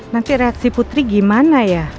nanti reaksi putri gimana ya